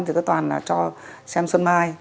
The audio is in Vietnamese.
thì cứ toàn là cho xem xuân mai